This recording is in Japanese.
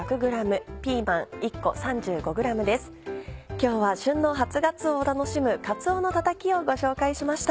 今日は旬の初がつおを楽しむ「かつおのたたき」をご紹介しました。